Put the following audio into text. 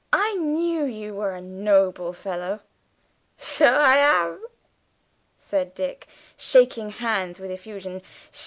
"I knew you were a noble fellow!" "Sho I am," said Dick, shaking hands with effusion.